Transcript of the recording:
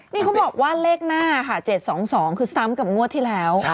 นี่เขาบอกว่าเลขหน้าค่ะ๗๒๒คือซ้ำกับงวดที่แล้ว